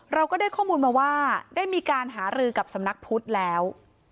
เราก็ได้ข้อมูลมาว่าได้มีการหารือกับสำนักพุทธแล้ว